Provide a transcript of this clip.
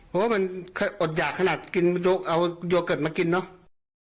เพราะว่ามันอดหยากขนาดกินเอาโยเกิร์ตมากินเนอะ